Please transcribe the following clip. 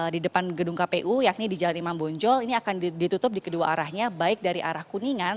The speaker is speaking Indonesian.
di depan gedung kpu yakni di jalan imam bonjol ini akan ditutup di kedua arahnya baik dari arah kuningan